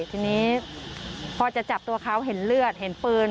ทีนี้พอจะจับตัวเขาเห็นเลือดเห็นปืน